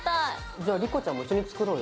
じゃあ莉子ちゃんも一緒に作ろうよ。